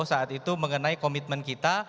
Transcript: saat itu mengenai komitmen kita